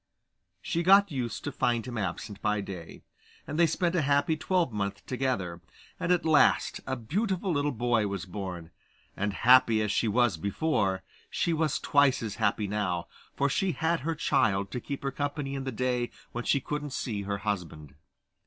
She got used to find him absent by day, and they spent a happy twelvemonth together, and at last a beautiful little boy was born; and happy as she was before, she was twice as happy now, for she had her child to keep her company in the day when she couldn't see her husband.